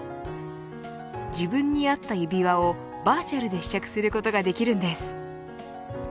自分にあった指輪をバーチャルで試着することができるんです。